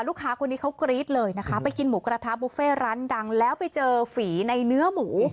ลูกค้าคนนี้เขากรี๊ดเลยนะคะไปกินหมูกระทะบุฟเฟ่ร้านดังแล้วไปเจอฝีในเนื้อหมู